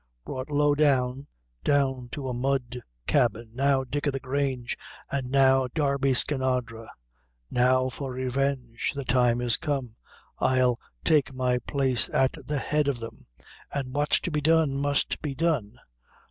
Brought low down, down to a mud cabin! Now, Dick o' the Grange, an' now, Darby Skinadre now for revenge. The time is come. I'll take my place at the head of them, and what's to be done, must be done.